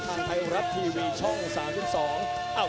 กันต่อแพทย์จินดอร์